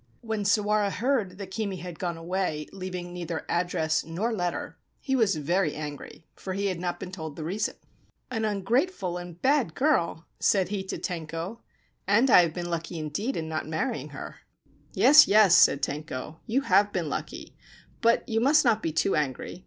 When Sawara heard that Kimi had gone away leaving neither address nor letter he was very angry, for he had not been told the reason. ' An ungrateful and bad girl/ said he to Tenko, c and I have been lucky indeed in not marrying her !'* Yes, yes,' said Tenko :' you have been lucky ; but you must not be too angry.